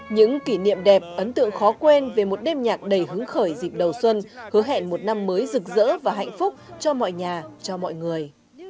những kỷ niệm đẹp ấn tượng khó quên về một đêm nhạc đầy hướng khởi dịp đầu xuân hứa hẹn một năm mới rực rỡ và hạnh phúc cho mọi nhà cho mọi người